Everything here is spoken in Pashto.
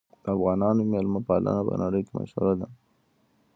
د افغانانو مېلمه پالنه په نړۍ کې مشهوره ده.